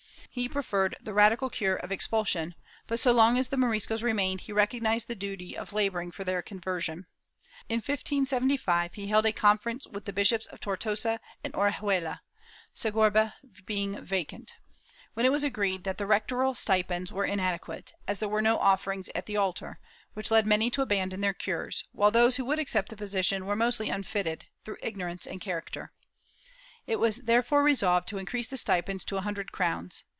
He preferred the radical cure of expulsion but, so long as the Moriscos remained, he recog nized the duty of laboring for their conversion. In 1575 he held a conference with the Bishops of Tortosa and Orihuela (Segorbe being vacant), when it was agreed that the rectorial stipends were inadequate, as there were no offerings at the altar, which led many to abandon their cures, while those who would accept the position were mostly unfitted, through ignorance and character. It was therefore resolved to increase the stipends to a hundred crowns.